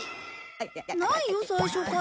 ないよ最初から。